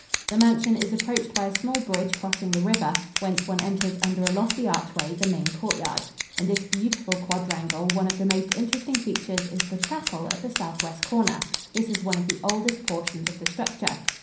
The mansion is approached by a small bridge crossing the river, whence one enters under a lofty archway the main courtyard. In this beautiful quadrangle, one of the most interesting features is the chapel at the southwest corner. This is one of the oldest portions of the structure.